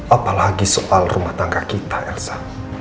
apalagi soal rumah tangga kita elsa